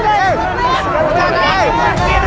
eh jangan mencari